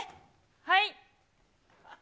はい。